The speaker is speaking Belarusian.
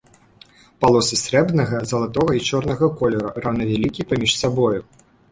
Палосы срэбнага, залатога і чорнага колеру роўнавялікія паміж сабою.